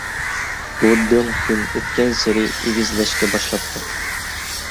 بۇ دۆڭ كۈن ئۆتكەنسېرى ئېگىزلەشكە باشلاپتۇ.